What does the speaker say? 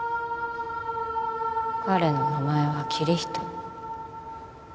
彼の名前はキリヒト